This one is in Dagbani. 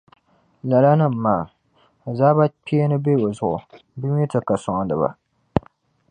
Lalanim’ maa, azaabakpeeni be bɛ zuɣu, bɛ mi ti ka sɔŋdiba.